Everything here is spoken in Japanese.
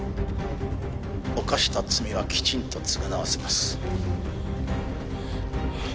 「犯した罪はきちんと償わせます」